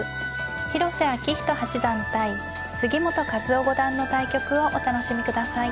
広瀬章人八段対杉本和陽五段の対局をお楽しみください。